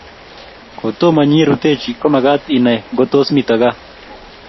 Kotoma nyirutechi komakat inai ngo tos mito gaa